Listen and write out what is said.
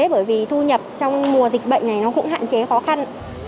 bởi vì thu nhập trong mùa dịch bệnh này nó cũng hạn chế khó khăn